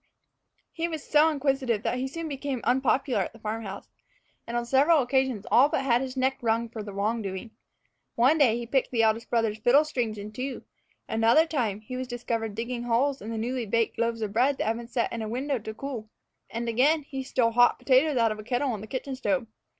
He was so inquisitive that he soon became unpopular at the farm house, and on several occasions all but had his neck wrung for wrongdoing. One day he picked the eldest brother's fiddle strings in two; another time he was discovered digging holes in the newly baked loaves of bread that had been set in a window to cool; and, again, he stole hot potatoes out of a kettle on the kitchen stove.